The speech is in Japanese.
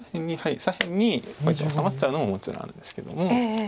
左辺にやっぱり治まっちゃうのももちろんあるんですけども。